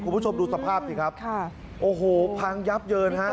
คุณผู้ชมดูสภาพนี่ครับพังยับเยิน